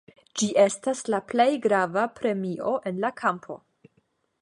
Ĝi estas la plej grava premio en la kampo.